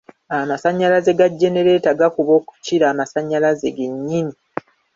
Amasannyalaze ga genereeta gakuba okukira amasannyalaze ge nnyini.